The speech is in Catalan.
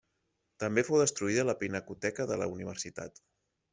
També fou destruïda la pinacoteca de la universitat.